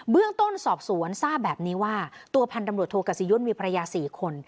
เรื่องต้นสอบสวนทราบแบบนี้ว่าตัวพันธ์ตำรวจโทกัสยุทธ์มีภรรยา๔คน